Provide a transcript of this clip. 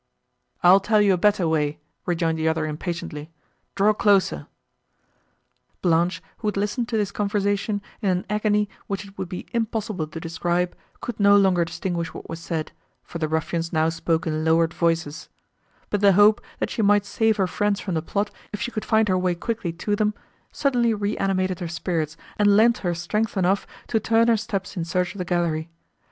"I'll tell you a better way," rejoined the other impatiently, "draw closer." Blanche, who had listened to this conversation, in an agony, which it would be impossible to describe, could no longer distinguish what was said, for the ruffians now spoke in lowered voices; but the hope, that she might save her friends from the plot, if she could find her way quickly to them, suddenly reanimated her spirits, and lent her strength enough to turn her steps in search of the gallery.